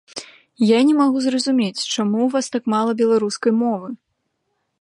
Я не магу зразумець, чаму ў вас так мала беларускай мовы.